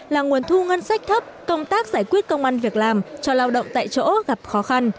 là nguồn thu ngân sách thấp công tác giải quyết công an việc làm cho lao động tại chỗ gặp khó khăn